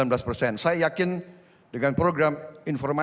dan saya yakin dengan program informasi